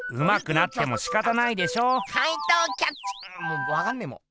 もうわかんねぇもう。